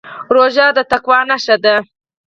روژه د تقوا نښه ده.